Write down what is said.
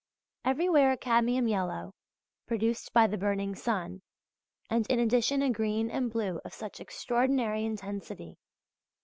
Everywhere a cadmium yellow, produced by the burning sun, and in addition a green and blue of such extraordinary intensity!